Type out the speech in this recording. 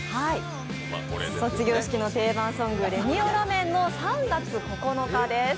卒業式のテーマソングでレミオロメンの「３月９日」です。